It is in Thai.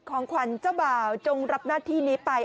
ของขวัญเจ้าบ่าวจงรับหน้าที่นี้ไป